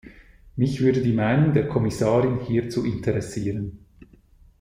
Mich würde die Meinung der Kommissarin hierzu interessieren.